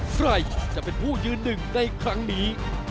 ใครจะเป็นผู้ยืนหนึ่งในครั้งนี้